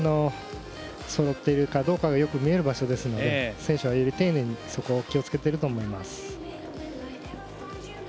そろっているかどうかがよく見える場所ですので選手はより丁寧に気をつけていると思います。